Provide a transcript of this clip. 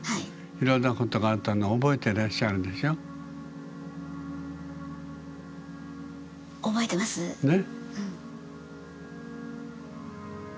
いろんなことがあったの覚えてらっしゃるでしょ？ね？